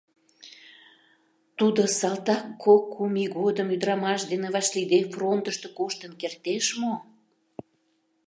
Тудо «Салтак кок-кум ий годым ӱдырамаш дене вашлийде фронтышто коштын кертеш мо?